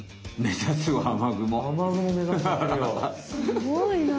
すごいな。